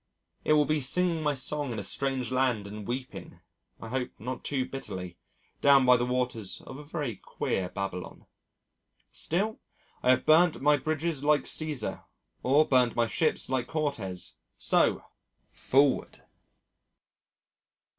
It will be singing my song in a Strange land and weeping I hope not too bitterly down by the waters of a very queer Babylon. Still, I have burnt my bridges like Cæsar or burnt my ships like Cortez. So forward!